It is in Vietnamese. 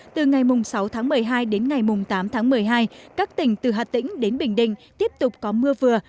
từ ngày sáu tháng một mươi hai đến ngày tám tháng một mươi hai các tỉnh từ hà tĩnh đến bình định tiếp tục có mưa vừa